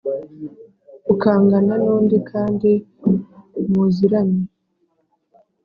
ukangana n’undi kandi muziranye